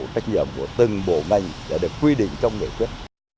trách nhiệm của từng bộ ngành đã được quy định trong nghị quyết